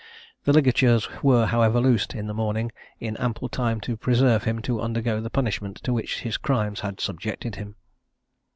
The ligatures were, however, loosed in the morning, in ample time to preserve him to undergo the punishment to which his crimes had subjected him.